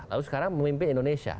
lalu sekarang memimpin indonesia